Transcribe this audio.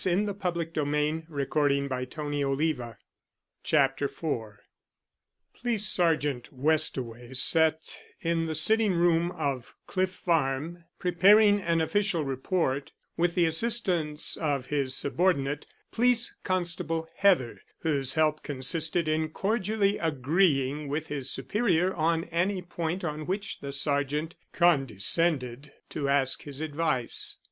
"By the blood stains on the grass at the side of the car." CHAPTER IV POLICE SERGEANT WESTAWAY sat in the sitting room of Cliff Farm preparing an official report, with the assistance of his subordinate, Police Constable Heather, whose help consisted in cordially agreeing with his superior on any point on which the sergeant condescended to ask his advice.